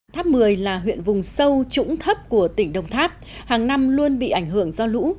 tháp mười là huyện vùng sâu trũng thấp của tỉnh đồng tháp hàng năm luôn bị ảnh hưởng do lũ